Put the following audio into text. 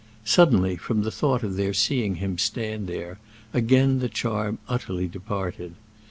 Suddenly, from the thought of their seeing him stand there, again the charm utterly departed.